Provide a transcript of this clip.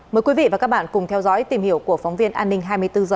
mời quý vị và các bạn cùng theo dõi tìm hiểu của phóng viên an ninh hai mươi bốn h